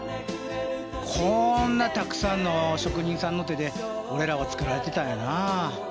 こんなたくさんの職人さんの手で俺らは作られてたんやな。